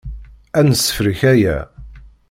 Ad nessefrek aya.